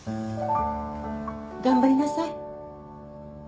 頑張りなさい。